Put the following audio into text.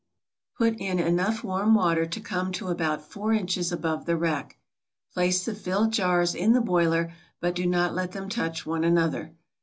Put in enough warm water to come to about 4 inches above the rack. Place the filled jars in the boiler, but do not let them touch one another.